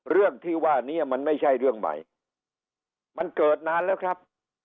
เรื่องที่ว่านี้มันไม่ใช่เรื่องใหม่มันเกิดนานแล้วครับ